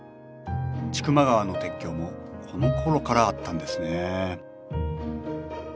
千曲川の鉄橋もこのころからあったんですね